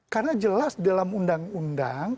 karena jelas dalam undang undang